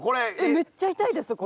めっちゃ痛いですよこれ。